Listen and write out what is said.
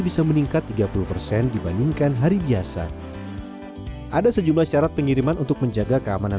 bisa meningkat tiga puluh dibandingkan hari biasa ada sejumlah syarat pengiriman untuk menjaga keamanan